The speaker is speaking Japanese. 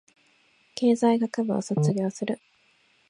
経済学部を卒業する